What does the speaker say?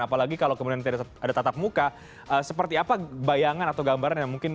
apalagi kalau kemudian tidak ada tatap muka seperti apa bayangan atau gambaran yang mungkin